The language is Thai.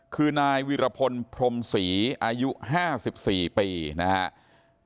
คือนายวิรพลพรมศรีอายุ๕๔ปีนะครับ